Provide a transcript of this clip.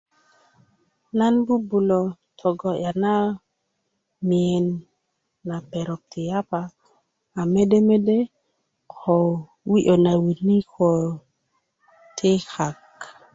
nan bubulö togbo'ya na miyen na perok ti yapa a mede mede ko wi'yö na winikö ti kak